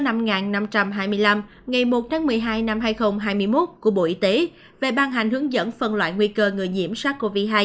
ngày một tháng một mươi hai năm hai nghìn hai mươi một của bộ y tế về ban hành hướng dẫn phân loại nguy cơ người nhiễm sars cov hai